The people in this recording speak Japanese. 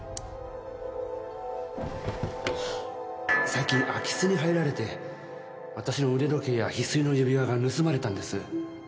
最近空き巣に入られて私の腕時計や翡翠の指輪が盗まれたんです。